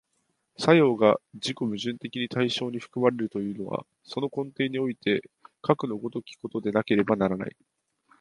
作用が自己矛盾的に対象に含まれるというのは、その根底においてかくの如きことでなければならない。